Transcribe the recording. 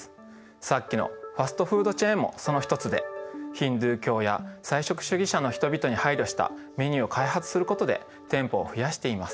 さっきのファストフードチェーンもその一つでヒンドゥー教や菜食主義者の人々に配慮したメニューを開発することで店舗を増やしています。